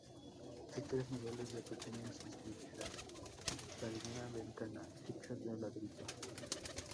Hay tres niveles de pequeñas aspilleras y alguna ventana, hechas de ladrillos.